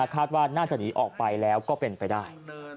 คาดว่าน่าจะหนีออกไปแล้วก็เป็นไปได้